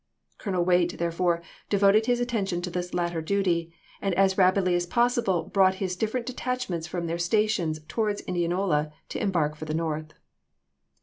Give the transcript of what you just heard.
Colonel Waite, therefore, devoted his attention to this latter duty, and as rapidly as possible brought his different detach ments from their stations towards Indianola to embark for the North.